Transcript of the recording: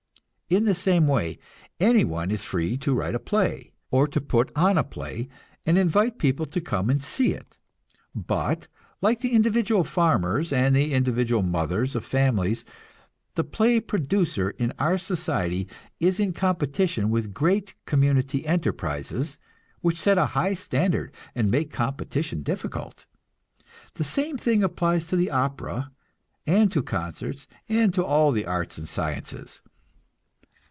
In the same way, anyone is free to write a play, or to put on a play, and invite people to come and see it. But, like the individual farmers and the individual mothers of families, the play producer in our society is in competition with great community enterprises, which set a high standard and make competition difficult. The same thing applies to the opera, and to concerts, and to all the arts and sciences.